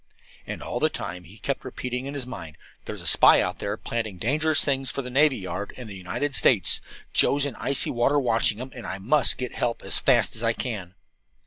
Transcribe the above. And all the time he kept repeating in his mind, "There's a spy out there planning dangerous things for the navy yard and the United States. Joe's in the icy water watching him, and I must get help as fast as I can."